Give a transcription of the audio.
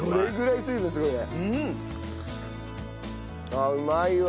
あっうまいわ。